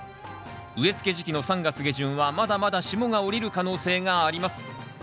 植えつけ時期の３月下旬はまだまだ霜が降りる可能性があります。